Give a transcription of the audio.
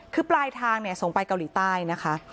คือปลายทางส่งไปเกาหลีใต้นะคะ